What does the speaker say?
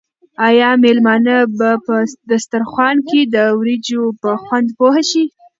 آیا مېلمانه به په دسترخوان کې د وریجو په خوند پوه شي؟